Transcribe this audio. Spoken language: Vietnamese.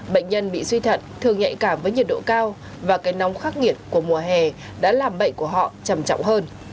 bệnh nhân bị suy thận thường nhạy cảm với nhiệt độ cao và cái nóng khắc nghiệt của mùa hè đã làm bệnh của họ chầm trọng hơn